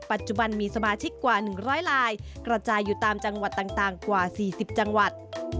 ปัจจุบันมีสมาชิกกว่า๑๐๐ลายกระจายอยู่ตามจังหวัดต่างกว่า๔๐จังหวัด